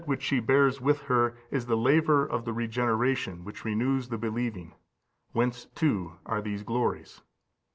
which she bears with her is the laver of the regeneration which renews the believing, whence too are these glories.